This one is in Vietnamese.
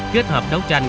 kết hợp đấu tranh